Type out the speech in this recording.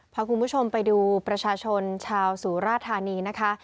พาคุณผู้ชมไปดูประชาชนชาวสุราธานีนะคะ